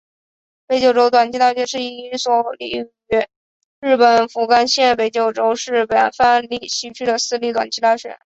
北九州短期大学是一所位于日本福冈县北九州市八幡西区的私立短期大学。